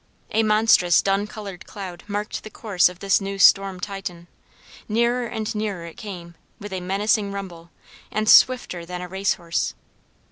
A monstrous dun colored cloud marked the course of this new storm titan. Nearer and nearer it came, with a menacing rumble, and swifter than a race horse.